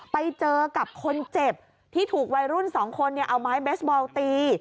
ไปเจอกับคนเจ็บที่ถูกวัยรุ่น๒คนเอาไม้เบสบอลตี